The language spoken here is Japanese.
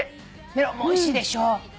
メロンもおいしいでしょ。